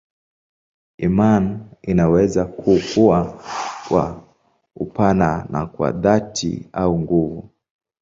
Imani inaweza kukua kwa upana na kwa dhati au nguvu.